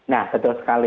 nah betul sekali